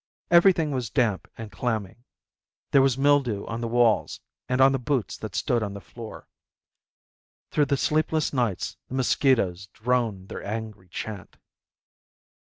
Everything was damp and clammy. There was mildew on the walls and on the boots that stood on the floor. Through the sleepless nights the mosquitoes droned their angry chant.